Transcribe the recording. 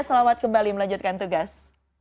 selamat kembali melanjutkan tugas